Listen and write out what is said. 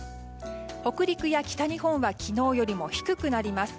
北陸や北日本は昨日よりも低くなります。